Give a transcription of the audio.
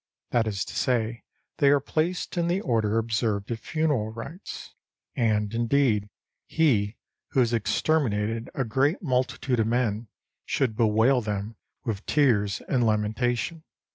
That is to say, they are placed in the order observed at funeral rites. And, indeed, he who has exterminated a great multitude of men should bewail them with tears and lamentation.